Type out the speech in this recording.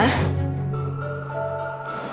selamat ulang tahun ya